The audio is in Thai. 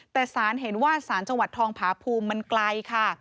แต่สารเห็นว่าสารจังหวัดทองผาภูมิมันไกลค่ะ